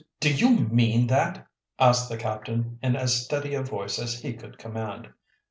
"Do do you mean that?" asked the captain, in as steady a voice as he could command.